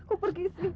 aku pergi sih